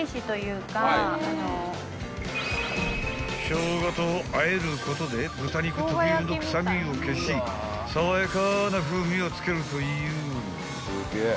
［ショウガとあえることで豚肉特有の臭みを消し爽やかな風味を付けるという］